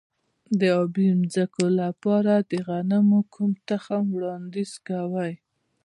د ابي ځمکو لپاره د غنمو کوم تخم وړاندیز کوئ؟